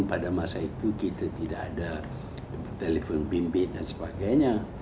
pada masa itu kita tidak ada telepon bimbing dan sebagainya